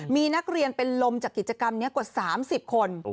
มีนักเรียนเป็นลมจากกิจกรรมนี้กว่า๓๐คน